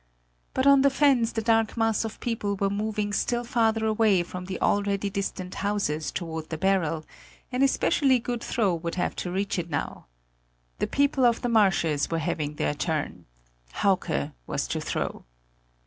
But on the fens the dark mass of people were moving still farther away from the already distant houses toward the barrel; an especially good throw would have to reach it now. The people of the marshes were having their turn: Hauke was to throw.